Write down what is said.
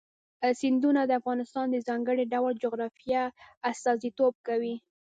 سیندونه د افغانستان د ځانګړي ډول جغرافیه استازیتوب کوي.